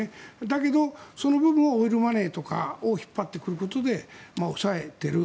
だけど、その部分をオイルマネーとかを引っ張ってくることで抑えている。